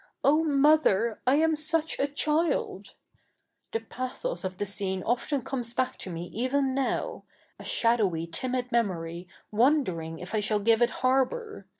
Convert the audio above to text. ' Oh, mother, I am such a child !' The pathos of the scene often cornes back to me even 7iow — a shadoiiy timid memory, ivoiulcring if I shall give it harbour.